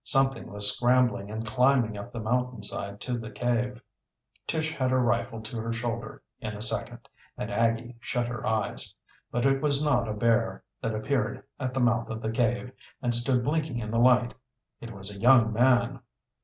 Something was scrambling and climbing up the mountainside to the cave. Tish had her rifle to her shoulder in a second, and Aggie shut her eyes. But it was not a bear that appeared at the mouth of the cave and stood blinking in the light. It was a young man!